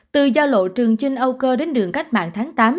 từ giao lộ trường chinh âu cơ đến đường cách mạng tháng tám